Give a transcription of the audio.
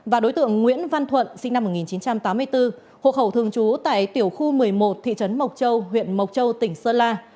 và đối tượng nguyễn văn thuận sinh năm một nghìn chín trăm tám mươi bốn hộ khẩu thường trú tại tiểu khu một mươi một thị trấn mộc châu huyện mộc châu tỉnh sơn la